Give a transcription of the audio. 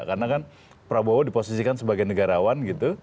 karena kan prabowo diposisikan sebagai negarawan